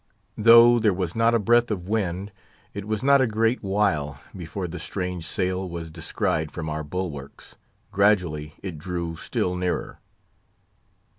Though there was not a breath of wind, it was not a great while before the strange sail was descried from our bulwarks; gradually, it drew still nearer.